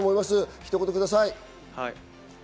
ひと言ください。